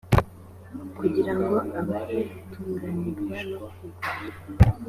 kugira ngo abahe gutunganirwa no kugwira,